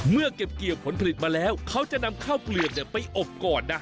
เมื่อเก็บเกี่ยวผลผลิตมาแล้วเขาจะนำข้าวเปลือกไปอบก่อนนะ